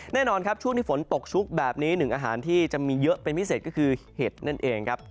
แน่นอนครับช่วงที่ฝนตกชุกแบบนี้หนึ่งอาหารที่จะมีเยอะเป็นพิเศษก็คือเห็ดนั่นเองครับ